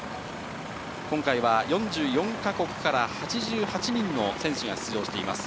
今回は４４か国から、８８人の選手が出場しています。